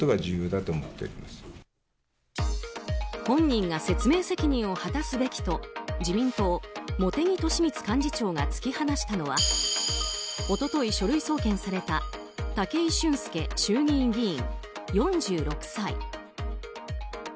本人が説明責任を果たすべきと自民党、茂木敏充幹事長が突き放したのは一昨日、書類送検された武井俊輔衆議院議員、４６歳。